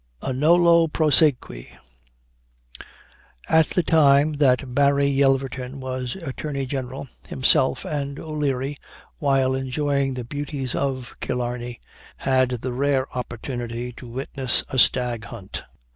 A NOLLE PROSEQUI. At the time that Barry Yelverton was Attorney General, himself and O'Leary, while enjoying the beauties of Killarney, had the rare fortune to witness a staghunt.